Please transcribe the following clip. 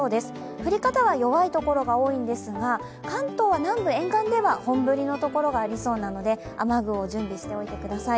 降り方は弱いところが多いんですが、関東は南部沿岸では本降りのところがありそうですので、雨具を準備しておいてください。